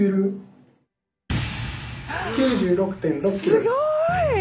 すごい。